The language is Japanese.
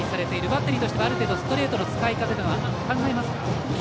バッテリーとしてはある程度ストレートの使い方は考えますか？